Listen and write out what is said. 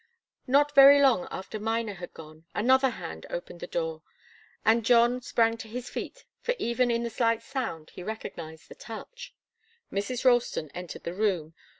Not very long after Miner had gone, another hand opened the door, and John sprang to his feet, for even in the slight sound he recognized the touch. Mrs. Ralston entered the room.